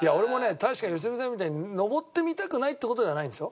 確かに良純さんみたいに登ってみたくないって事ではないんですよ。